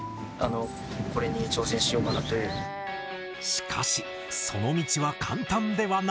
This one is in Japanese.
しかしその道は簡単ではなかった。